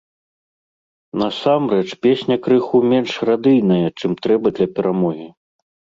Насамрэч, песня крыху менш радыйная, чым трэба для перамогі.